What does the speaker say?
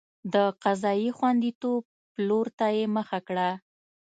د قضایي خوندیتوب پلور ته یې مخه کړه.